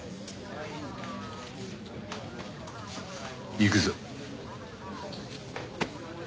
行くぞ。